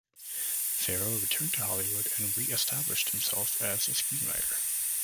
Farrow returned to Hollywood and re-established himself as a screenwriter.